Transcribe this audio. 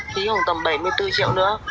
phí khoảng tầm bảy mươi bốn triệu nữa